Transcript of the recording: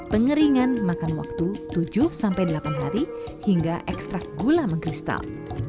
pengeringan makan waktu tujuh sampai delapan hari hingga ekstrak gula mengkristal